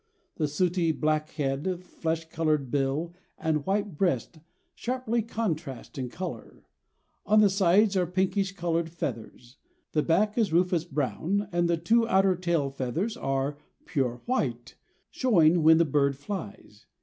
The sooty black head, flesh colored bill and white breast, sharply contrast in color. On the sides are pinkish colored feathers; the back is rufous brown and the two outer tail feathers pure white, showing when the bird flies.